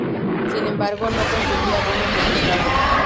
Sin embargo no conseguía buenos resultados.